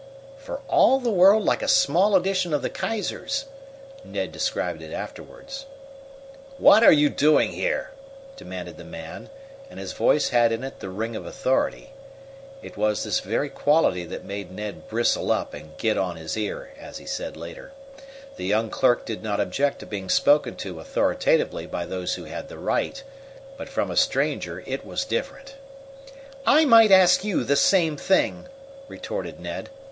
"For all the world like a small edition of the Kaiser's," Ned described it afterward. "What are you doing here?" demanded the man, and his voice had in it the ring of authority. It was this very quality that made Ned bristle up and "get on his ear," as he said later. The young clerk did not object to being spoken to authoritatively by those who had the right, but from a stranger it was different. "I might ask you the same thing," retorted Ned.